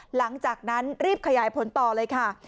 หลังจากนั้นรีบขยายผลต่อเลยค่ะ